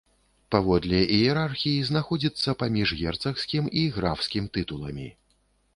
Паводле іерархіі знаходзіцца паміж герцагскім і графскім тытуламі.